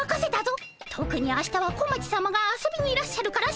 とくに明日は小町さまが遊びにいらっしゃるから慎重にな。